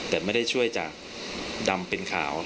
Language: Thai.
แต่ไม่ได้ช่วยจากดำเป็นขาว